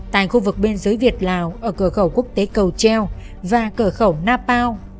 tại khu vực bên dưới việt lào ở cửa khẩu quốc tế cầu treo và cửa khẩu napao